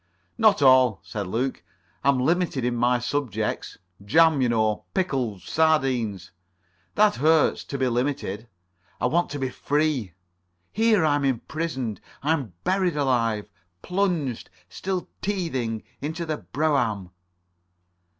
"Not all," said Luke, "I'm limited in my subjects. Jam, you know. Pickles. Sardines. That hurts—to be limited. I want to be free. Here, I am imprisoned. I am buried alive. Plunged, still teething, in the brougham."